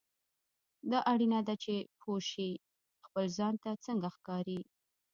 دا اړینه ده چې پوه شې خپل ځان ته څنګه ښکارې.